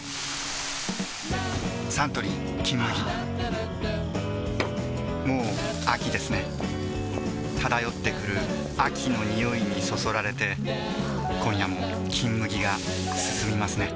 サントリー「金麦」もう秋ですね漂ってくる秋の匂いにそそられて今夜も「金麦」がすすみますね